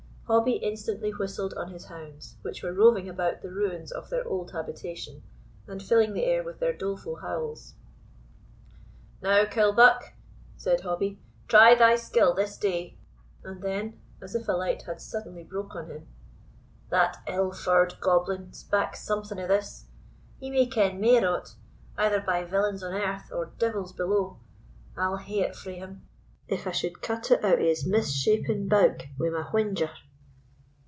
Hobbie instantly whistled on his hounds, which were roving about the ruins of their old habitation, and filling the air with their doleful howls. "Now, Killbuck," said Hobbie, "try thy skill this day," and then, as if a light had suddenly broke on him, "that ill faur'd goblin spak something o' this! He may ken mair o't, either by villains on earth, or devils below I'll hae it frae him, if I should cut it out o' his mis shapen bouk wi' my whinger."